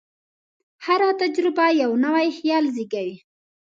هره تجربه یو نوی خیال زېږوي.